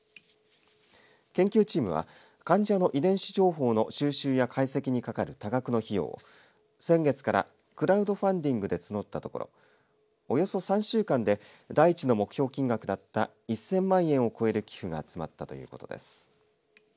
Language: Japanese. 研究チームは患者の遺伝子情報の収集や解析にかかる多額の費用を、先月からクラウドファンディングで募ったところおよそ３週間で第１の目標金額だった１０００万円を超える寄付が集まったということです。